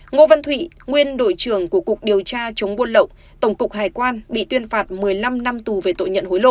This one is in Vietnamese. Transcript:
ngô văn thụy nguyên đội trưởng của cục điều tra chống buôn lậu tổng cục hải quan bị tuyên phạt một mươi năm năm tù về tội nhận hối lộ